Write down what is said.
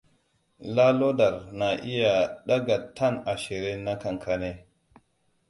Lallodar na iya ɗaga tan ashirin na kankare.